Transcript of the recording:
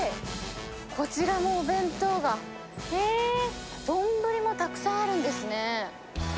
こちらもお弁当がえー、丼もたくさんあるんですね。